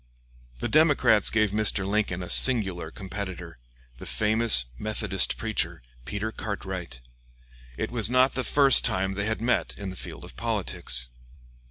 The Democrats gave Mr. Lincoln a singular competitor the famous Methodist preacher, Peter Cartwright. It was not the first time they had met in the field of politics.